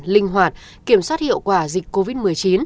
linh hoạt kiểm soát hiệu quả dịch covid một mươi chín